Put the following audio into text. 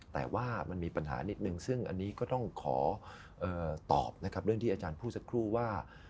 แต่ว่ามันมีปัญหานิดนึงซึ่งอันนี้ก็ต้องขอตอบนะครับเรื่องที่อาจารย์พูดสักครู่ว่า